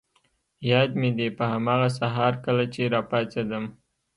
یاد مي دي، په هماغه سهار کله چي راپاڅېدم.